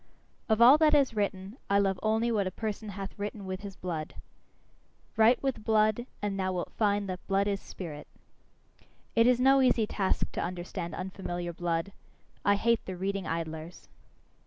Of all that is written, I love only what a person hath written with his blood. Write with blood, and thou wilt find that blood is spirit. It is no easy task to understand unfamiliar blood; I hate the reading idlers.